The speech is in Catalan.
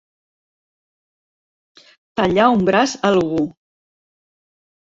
Tallar un braç a algú.